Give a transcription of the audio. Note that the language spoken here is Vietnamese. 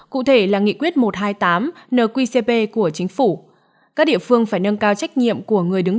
cụ thể là nghị quyết một trăm hai mươi tám nqcp của chính phủ các địa phương phải nâng cao trách nhiệm của người đứng